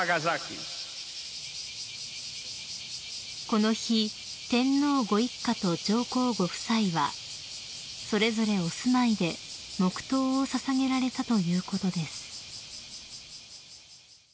［この日天皇ご一家と上皇ご夫妻はそれぞれお住まいで黙とうを捧げられたということです］